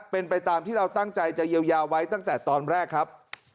เป็นไปตามที่เราตั้งใจจะเยียวยาไว้ตั้งแต่ตอนแรกครับ